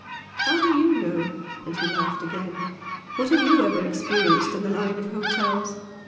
"How do YOU know?" and he laughed again "What have YOU ever experienced in the line of hotels?